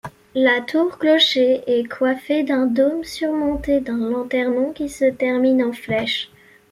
La tour-clocher est coiffée d'un dôme surmonté d'un lanternon qui se termine en flèche.